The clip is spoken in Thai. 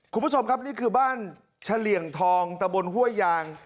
คุณผู้ชมครับนี่คือบ้านเฉลี่ยงทองตะบนห้วยยาง